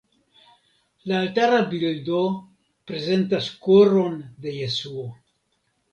La altara bildo prezentas Koron de Jesuo.